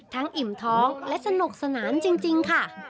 อิ่มท้องและสนุกสนานจริงค่ะ